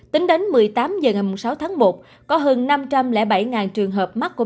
tính đến một mươi tám h ngày sáu tháng một có hơn năm trăm linh bảy trường hợp mắc covid một mươi